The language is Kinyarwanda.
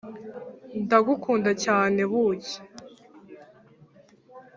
ndagukunda cyane, buki.